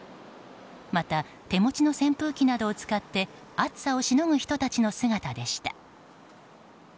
また、手持ちの扇風機などを使って暑さをしのぐ人たちの姿でした。